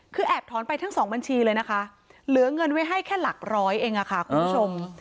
คือแอบถอนไปทั้งสองบัญชีเลยนะคะเหลือเงินไว้ให้แค่หลักร้อยเองค่ะคุณผู้ชม